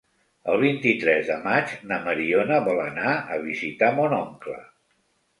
El vint-i-tres de maig na Mariona vol anar a visitar mon oncle.